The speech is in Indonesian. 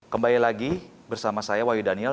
kembali lagi bersama saya wayu daniel